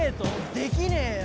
できねーよ